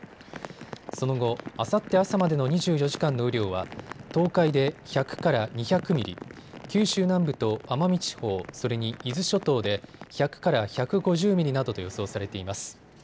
その後、あさって朝までの２４時間の雨量は東海で１００から２００ミリ、九州南部と奄美地方、それに伊豆諸島で１００から１５０ミリなどと予想されています。